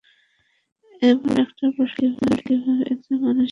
এমন একটা প্রবাদ কীভাবে একজন মানুষের শেষ কথা হতে পারে?